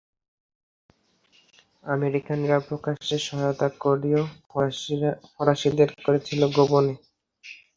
আমেরিকানরা প্রকাশ্যে সহায়তা করলেও ফরাসিদের করেছিল গোপনে।